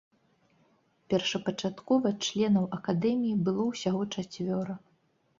Першапачаткова членаў акадэміі было ўсяго чацвёра.